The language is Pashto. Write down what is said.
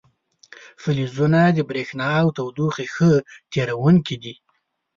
فلزونه د برېښنا او تودوخې ښه تیروونکي دي.